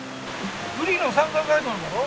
フリーの山岳ガイドなんだろ？